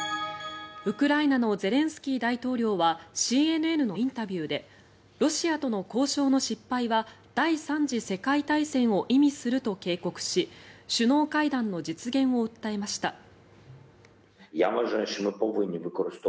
ウクライナのゼレンスキー大統領はＣＮＮのインタビューでロシアとの交渉の失敗は第３次世界大戦を意味すると警告し首脳会談の実現を訴えました。